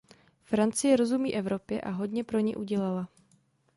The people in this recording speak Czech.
Francie rozumí Evropě a hodně pro ni udělala.